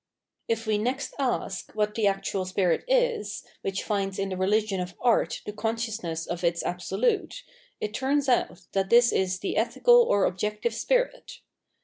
If we next ask, what the actual spirit is, which finds in the religion of art the consciousness of its Absolute, it turns out that this is the ethical or objective spirit.